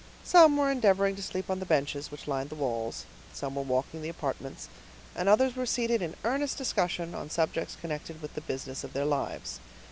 Some were endeavoring to sleep on the benches which lined the walls, some were walking the apartments, and others were seated in earnest discussion on subjects connected with the business of their lives.